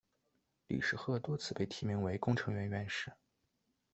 李世鹤多次被提名为工程院院士。